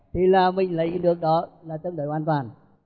thì là mình lấy được đó là chân đời hoàn toàn